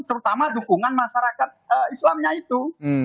terutama dukungan masyarakat islamnya itu